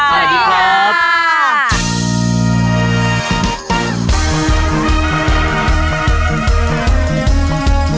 สวัสดีครับ